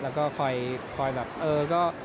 แล้วก็คอยแบบเออก็